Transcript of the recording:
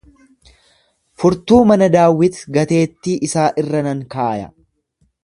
Furtuu mana Daawit gateettii isaa irra nan kaaya.